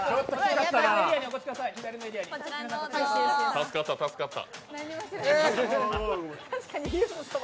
助かった、助かった。